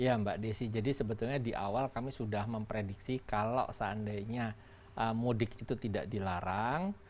ya mbak desi jadi sebetulnya di awal kami sudah memprediksi kalau seandainya mudik itu tidak dilarang